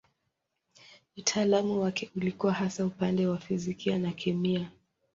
Utaalamu wake ulikuwa hasa upande wa fizikia na kemia.